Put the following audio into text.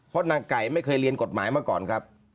เพราะนางไก่ไม่เคยเรียนกฎหมายมาก่อนครับ